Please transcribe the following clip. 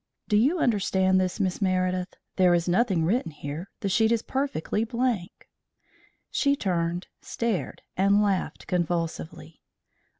Do you understand this, Miss Meredith? There is nothing written here. The sheet is perfectly blank." She turned, stared, and laughed convulsively.